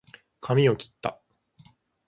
かみをきった